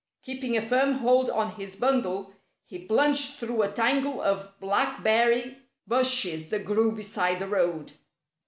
Keeping a firm hold on his bundle, he plunged through a tangle of blackberry bushes that grew beside the road.